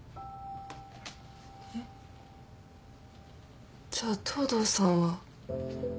えっ？じゃあ東堂さんは。